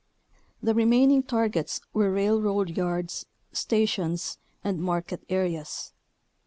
The remaining tar gets were railroad yards, stations, and market areas.